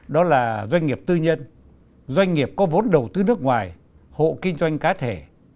đó là doanh nghiệp tư nhân doanh nghiệp có vốn đầu tư nước ngoài hộ kinh doanh cá thể